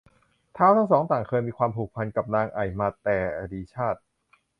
ท้าวทั้งสองต่างเคยมีความผูกพันกับนางไอ่มาแต่อดีตชาติ